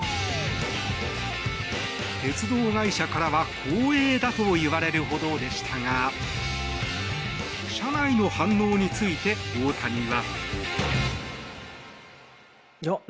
鉄道会社からは光栄だと言われるほどでしたが車内の反応について大谷は。